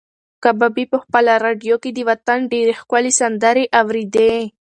کبابي په خپله راډیو کې د وطن ډېرې ښکلې سندرې اورېدې.